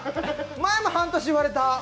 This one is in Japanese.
前も半年言われた。